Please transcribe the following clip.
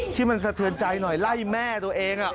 ที่มันสะเทือนใจหน่อยไล่แม่ตัวเอง